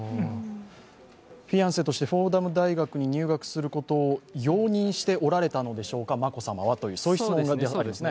フィアンセとしてフォーダム大学に入学することを容認しておられたのでしょうか、眞子さまは、という質問ですね。